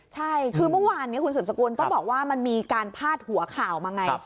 ใช่คือเมื่อวานนี้คุณสืบสกุลต้องบอกว่ามันมีการพาดหัวข่าวมาไง